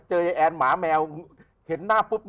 ยายแอนหมาแมวเห็นหน้าปุ๊บ